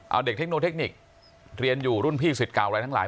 เอาเด็กเทคโนเทคนิคเรียนอยู่รุ่นพี่สิทธิ์เก่าอะไรทั้งหลาย